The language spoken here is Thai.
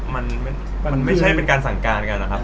มันไม่ใช่เป็นการสังการเลยนะ